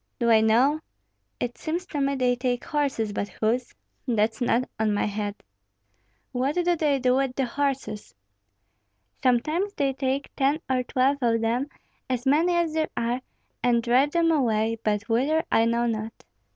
"Do I know? It seems to me they take horses, but whose, that's not on my head." "What do they do with the horses?" "Sometimes they take ten or twelve of them, as many as there are, and drive them away, but whither I know not."